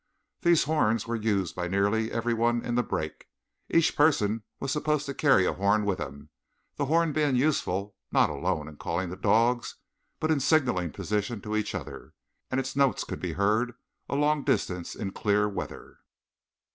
These horns were used by nearly everyone in the brake. Each person was supposed to carry a horn with him, the horn being useful not alone in calling the dogs, but in signaling positions to each other, and its notes could be heard a long distance in clear weather.